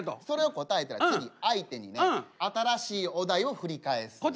それを答えたら次相手にね新しいお題を振り返す。